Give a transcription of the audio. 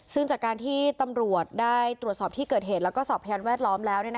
ซึ่งจากการที่ตำรวจได้ตรวจสอบที่เกิดเหตุแล้วก็สอบพยานแวดล้อมแล้ว